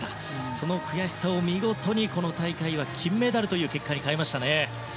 その悔しさを見事にこの大会は金メダルという結果に変えましたね。